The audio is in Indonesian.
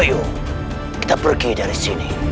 kita pergi dari sini